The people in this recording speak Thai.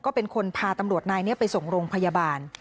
ก็เป็นคนพาตำรวจนายนี้ไปส่งโรงพยาบาล